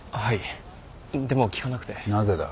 なぜだ？